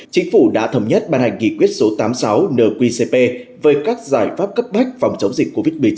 chính phủ đã thống nhất ban hành nghị quyết số tám mươi sáu nqcp về các giải pháp cấp bách phòng chống dịch covid một mươi chín